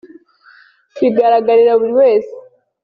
bigaragarira buri wese